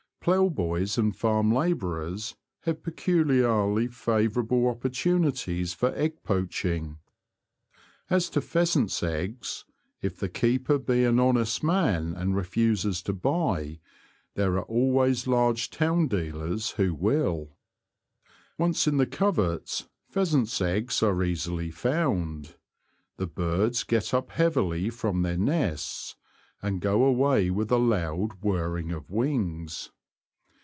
Plough boys and farm labourers have peculiarly fa vourable opportunities for tgg poaching. As to pheasants' eggs, if the keeper be an honest man and refuses to buy, there are always large town dealers who will. Once in the coverts pheasants' eggs are easily found. The birds get up heavily from their nests, and go away with a loud whirring of wings.